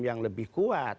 yang lebih kuat